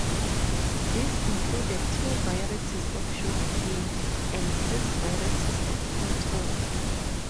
These included two varieties of sugar cane and six varieties of cotton.